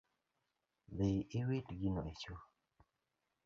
Dhi iwit gino e cho